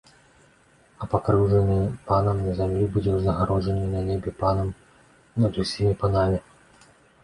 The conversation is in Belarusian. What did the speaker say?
А пакрыўджаны панам на зямлі будзе ўзнагароджаны на небе панам над усімі панамі.